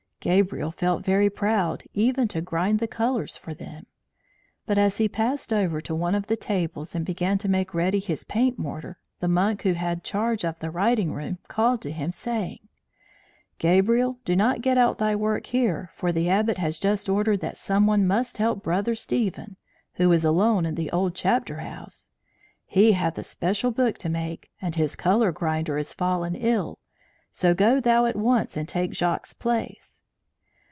Gabriel felt very proud even to grind the colours for them. But as he passed over to one of the tables and began to make ready his paint mortar, the monk who had charge of the writing room called to him, saying: "Gabriel, do not get out thy work here, for the Abbot hath just ordered that some one must help Brother Stephen, who is alone in the old chapter house. He hath a special book to make, and his colour grinder is fallen ill; so go thou at once and take Jacques's place."